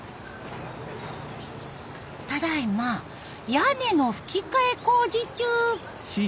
ただいま屋根のふき替え工事中。